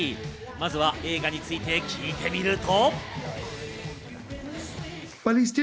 まずは映画について聞いてみると。